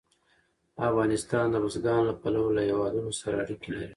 افغانستان د بزګانو له پلوه له هېوادونو سره اړیکې لري.